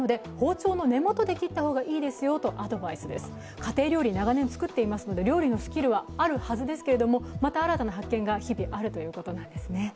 家庭料理、長年作ってますけど料理のスキルはあるはずですけども、また新たな発見が日々あるということなんですね。